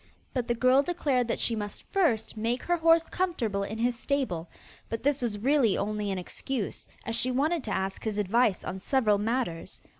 But the girl declared that she must first make her horse comfortable in his stable; but this was really only an excuse, as she wanted to ask his advice on several matters.